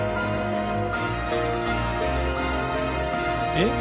えっ？